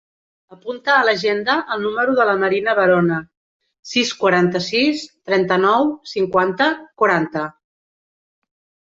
Apunta a l'agenda el número de la Marina Barona: sis, quaranta-sis, trenta-nou, cinquanta, quaranta.